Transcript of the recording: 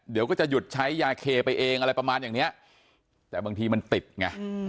เดี๋ยวก็จะหยุดใช้ยาเคไปเองอะไรประมาณอย่างเนี้ยแต่บางทีมันติดไง